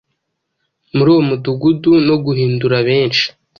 muri uwo mudugudu no guhindura benshi,”